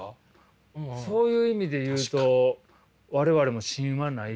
そういう意味で言うと我々も芯はない。